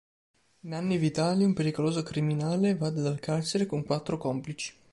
Nanni Vitali, un pericoloso criminale, evade dal carcere con quattro complici.